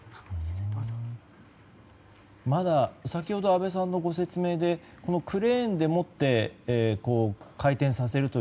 先ほど安倍さんのご説明でこのクレーンでもって回転させる